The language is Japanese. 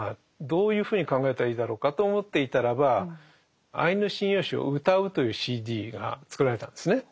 どういうふうに考えたらいいだろうかと思っていたらば「『アイヌ神謡集』をうたう」というＣＤが作られたんですね。